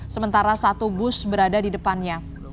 sementara satu bus berada di depannya